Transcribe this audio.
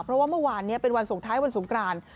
เพราะว่าเมื่อวานนี้เป็นวันส่งท้ายวันสงกราน